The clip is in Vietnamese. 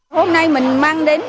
hôm nay mình mang đến